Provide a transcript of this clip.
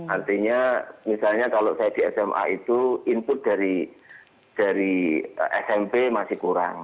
artinya misalnya kalau saya di sma itu input dari smp masih kurang